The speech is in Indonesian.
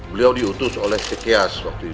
beliau diutus oleh sekias